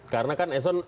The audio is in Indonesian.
karena kan eson menghargai